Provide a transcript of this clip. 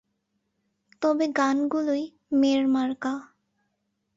তবে গানগুলোই ম্যারমার্কা।